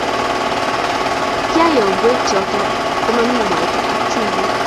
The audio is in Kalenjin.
kiayoo ngwek choto ko mamii mwaita ak chumbik